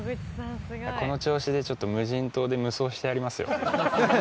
この調子で、ちょっと無人島で無双してやりますよ。